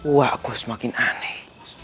wakku semakin aneh